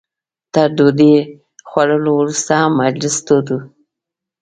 تر ډوډۍ خوړلو وروسته هم مجلس تود و.